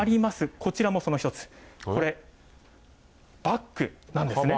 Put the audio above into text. こちらもその一つ、これ、バッグなんですね。